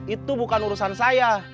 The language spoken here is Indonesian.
itu bukan urusan saya